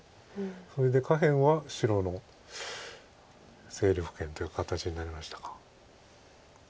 それで下辺は白の勢力圏という形になりましたか。